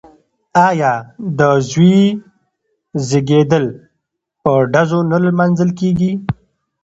آیا د زوی زیږیدل په ډزو نه لمانځل کیږي؟